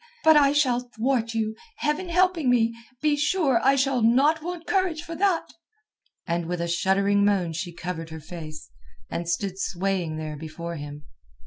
But I shall thwart you, Heaven helping me. Be sure I shall not want courage for that." And with a shuddering moan she covered her face, and stood swaying there before him.